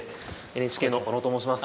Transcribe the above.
ＮＨＫの小野と申します。